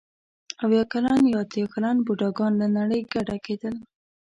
اوه کلن یا اتیا کلن بوډاګان له نړۍ کډه کېدل.